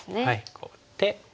こうやって。